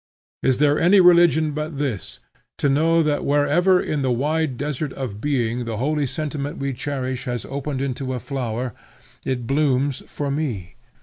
Is there any religion but this, to know that wherever in the wide desert of being the holy sentiment we cherish has opened into a flower, it blooms for me?